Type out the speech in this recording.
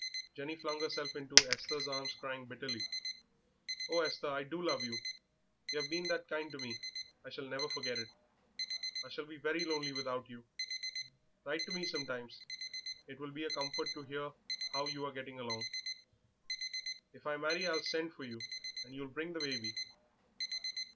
Jenny flung herself into Esther's arms crying bitterly. "Oh, Esther, I do love you; yer 'ave been that kind to me I shall never forget it. I shall be very lonely without you. Write to me sometimes; it will be a comfort to hear how you are getting on. If I marry I'll send for you, and you'll bring the baby."